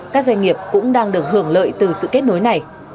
các doanh nghiệp cũng đang được hưởng lợi từ sự kết nối này